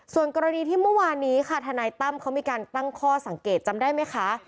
ส่วนกรณีที่เมื่อวานนี้ค่ะทนายตั้มเขามีการตั้งข้อสังเกตจำได้ไหมคะ